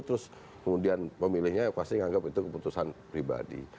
terus kemudian pemilihnya pasti menganggap itu keputusan pribadi